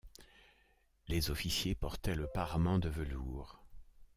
Les officiers portaient le parement de velours.